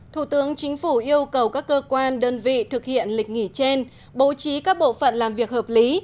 thủ tướng chính phủ yêu cầu các cơ quan đơn vị thực hiện lịch nghỉ trên bố trí các bộ phận làm việc hợp lý